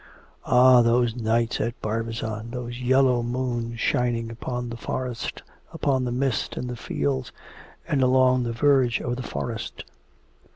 Ah, those nights at Barbizon! those yellow moons shining upon the forest, upon the mist in the fields, and along the verge of the forest.